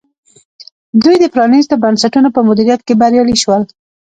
دوی د پرانیستو بنسټونو په مدیریت کې بریالي شول.